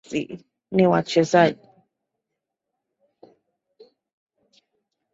Sisi ni wachezaji